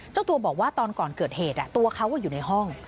เจ้าตัวบอกว่าตอนก่อนเกิดเหตุตัวเขาก็อยู่ในห้อง